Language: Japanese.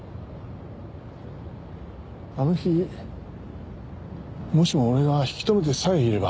あの日もしも俺が引き留めてさえいれば。